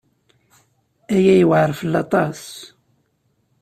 Aya yewɛeṛ fell-i aṭas.